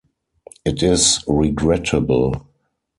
It is regrettable.